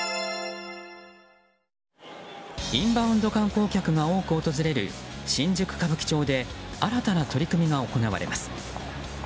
インバウンド観光客が多く訪れる新宿・歌舞伎町で新たな取り組みが行われます。